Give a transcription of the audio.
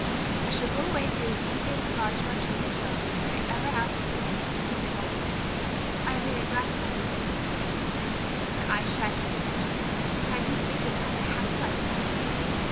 I shall go away feeling easier in regard to my children's welfare than I ever have before since they lost their mother." "I am very glad of that, Levis," Violet said, her eyes shining with pleasure, "and I do believe they will have a happy life at Ion."